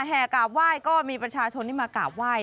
กราบไหว้ก็มีประชาชนที่มากราบไหว้